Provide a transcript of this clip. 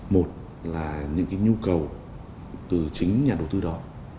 một là những cái nhu cầu từ chính nhà đầu tư đó